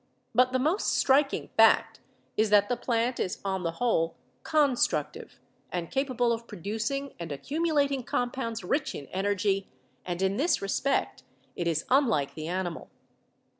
But the most striking fact is that the plant is on the whole constructive and capable of producing and accumulating compounds rich in energy and in this respect it is unlike the animal.